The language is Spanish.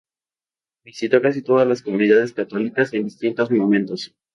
Visitó casi todas las comunidades católicas en distintos momentos.